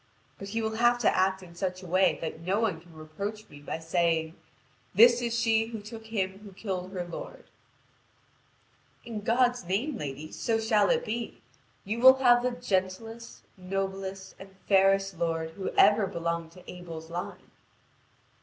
But he will have to act in such a way that no one can reproach me by saying: 'This is she who took him who killed her lord.'" "In God's name, lady, so shall it be. You will have the gentlest, noblest, and fairest lord who ever belonged to Abel's line."